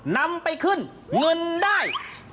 นำไปขึ้นเงินได้